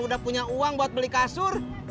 udah punya uang buat beli kasur